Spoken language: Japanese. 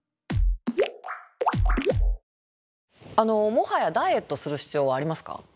もはやダイエットする必要はありますか？